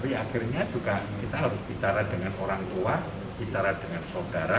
tapi akhirnya juga kita harus bicara dengan orang tua bicara dengan saudara